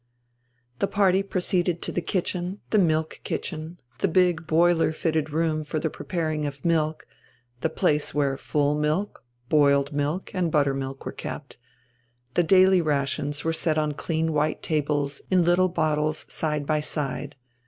The party proceeded to the kitchen, the milk kitchen, the big boiler fitted room for the preparing of milk, the place where full milk, boiled milk, and buttermilk were kept. The daily rations were set on clean white tables in little bottles side by side.